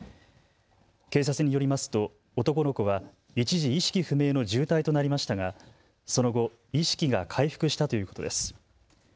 警察によりますと男の子は一時、意識不明の重体となりましたがその後、意識が回復したということです。